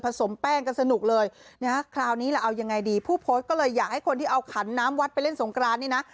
สมแป้งกันสนุกเลยนะฮะคราวนี้ล่ะเอายังไงดีผู้โพสต์ก็เลยอยากให้คนที่เอาขันน้ำวัดไปเล่นสงกรานนี่นะ